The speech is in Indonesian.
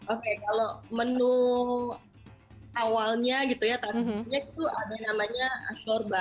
oke kalau menu awalnya gitu ya itu ada namanya asdorba